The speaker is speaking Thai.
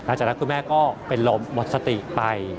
จากนั้นคุณแม่ก็เป็นลมหมดสติไป